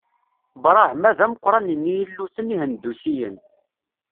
Brahma d ameqqran n yilluten ihendusiyen.